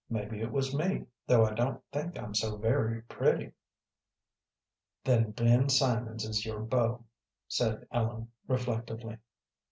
"Mebbe it was me, though I don't think I'm so very pretty." "Then Ben Simonds is your beau," said Ellen, reflectively.